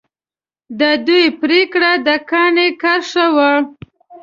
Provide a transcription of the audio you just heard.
د دوی پرېکړه د کاڼي کرښه وي.